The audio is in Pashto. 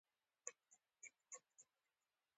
زه فکر کوم په ډېره اسانۍ یې کولای شو.